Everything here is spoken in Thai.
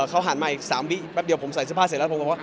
เขาหันมาอีก๓วิแป๊บเดียวผมใส่เสื้อผ้าเสร็จแล้วผมก็บอกว่า